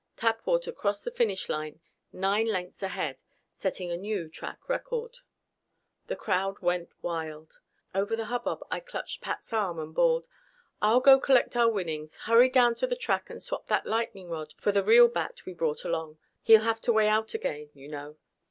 Tapwater crossed the finish line nine lengths ahead, setting a new track record. The crowd went wild. Over the hubbub I clutched Pat's arm and bawled, "I'll go collect our winnings. Hurry down to the track and swap that lightening rod for the real bat we brought along. He'll have to weigh out again, you know.